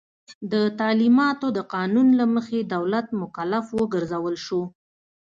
د تعلیماتو د قانون له مخي دولت مکلف وګرځول سو.